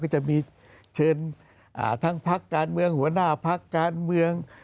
จะมีเชิญทั้งพักการเมืองหัวหน้าพักการเมือง